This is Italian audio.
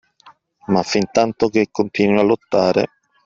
Ma fin tanto che continui a lottare,